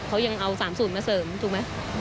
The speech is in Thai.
เขายังเอา๓สูตรมาเสริมถูกไหม